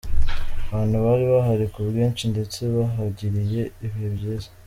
Abantu bari bahari ku bwinshi ndetse bahagiriye ibihe byiza.